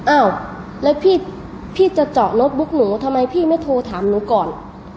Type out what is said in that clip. อ้าวแล้วพี่จะเจาะรถบุ๊กหนูทำไมพี่ไม่โทรถามหนูก่อน